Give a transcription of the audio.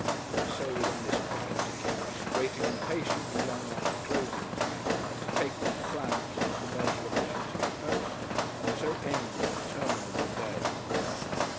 he would say with honest pride to Kipps, waiting impatiently long after closing time to take these triumphs of commercial efficiency to post, and so end the interminable day.